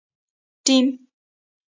ټیم